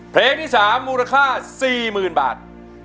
เพลงที่๓มูลค่า๔๐๐๐บาท